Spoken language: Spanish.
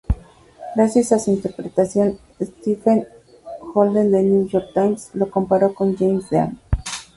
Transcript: Gracias su interpretación, Stephen Holden de "New York Times" lo comparó con James Dean.